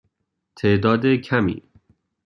تعداد کمی.